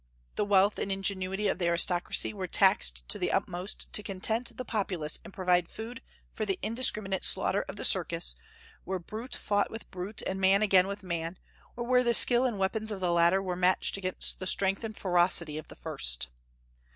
"The wealth and ingenuity of the aristocracy were taxed to the utmost to content the populace and provide food for the indiscriminate slaughter of the circus, where brute fought with brute, and man again with man, or where the skill and weapons of the latter were matched against the strength and ferocity of the first."